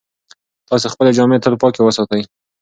تاسې خپلې جامې تل پاکې وساتئ.